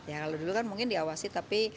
ya kalau dulu kan mungkin diawasi tapi